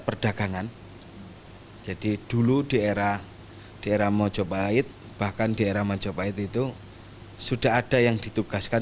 perdagangan jadi dulu di era di era mojopahit bahkan di era majapahit itu sudah ada yang ditugaskan